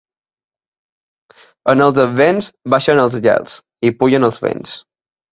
En els Advents baixen els gels i pugen els vents.